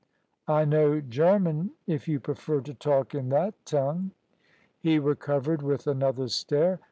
"I know German, if you prefer to talk in that tongue." He recovered with another stare.